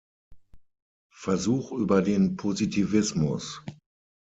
Versuch über den Positivismus".